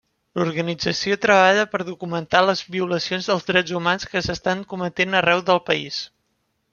L'organització treballa per documentar les violacions dels drets humans que s'estan cometent arreu del país.